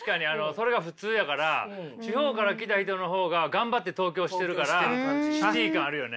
それが普通やから地方から来た人の方が頑張って東京してるからＣＩＴＹ感あるよね。